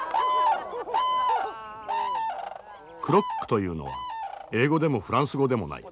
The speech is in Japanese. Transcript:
クロックというのは英語でもフランス語でもない。